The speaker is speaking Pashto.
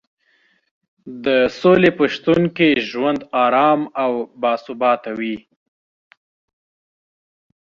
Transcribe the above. د سولې په شتون کې ژوند ارام او باثباته وي.